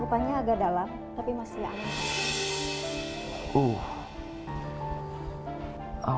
rupanya agak dalam tapi masih angin